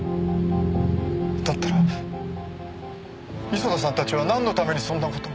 だったら磯田さんたちはなんのためにそんな事を？